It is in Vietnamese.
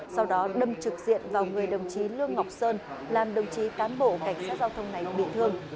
sau đó đâm trực diện vào người đồng chí lương ngọc sơn làm đồng chí cán bộ cảnh sát giao thông này bị thương